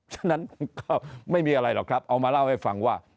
ฉะนั้นก็ไม่มีอะไรหรอกครับเอามาเล่าให้ฟังว่า